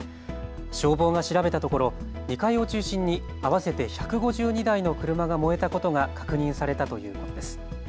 消防が調べたところ２階を中心に合わせて１５２台の車が燃えたことが確認されたということです。